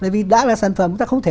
vì đã là sản phẩm người ta không thể